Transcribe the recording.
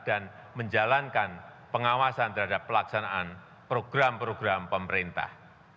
dan menjalankan pengawasan terhadap pelaksanaan program program pemerintah